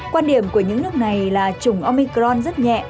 quan điểm của những nước này là chủng omicron rất nhẹ